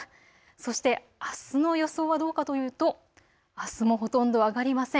そしてあすの予想はどうかというと、あすもほとんど上がりません。